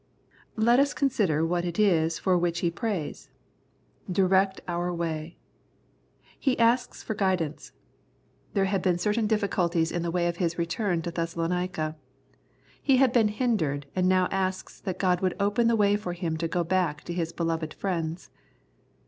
Let us consider what it is for which he frays —" Direct our way." He asks for guidance. There had been certain diffi 5 The Prayers of St. Paul culties in the way of his return to Thessa lonica. He had been hindered, and now asks that God would open the way for him to go back to his beloved friends.